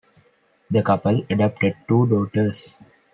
The couple adopted two daughters.